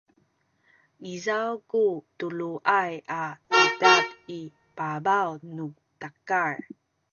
izaw ku tuluay a cudad i pabaw nu takal